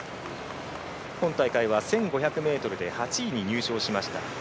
今大会は１５００ｍで８位に入賞しました。